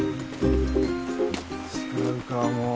違うかもう。